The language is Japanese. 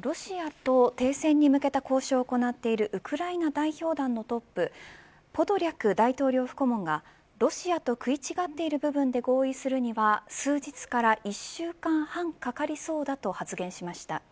ロシアと停戦に向けた交渉を行っているウクライナ代表団のトップポドリャク大統領府顧問がロシアと食い違っている部分で合意するには数日から１週間半かかりそうだと発言しました。